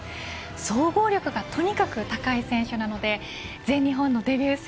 総合力がとにかく高い選手なので全日本のデビュー戦